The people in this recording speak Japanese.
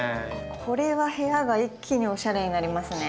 これは部屋が一気におしゃれになりますね。